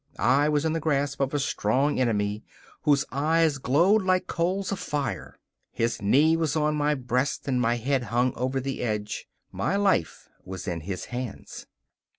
I was in the grasp of a strong enemy, whose eyes glowed like coals of fire. His knee was on my breast and my head hung over the edge my life was in his hands.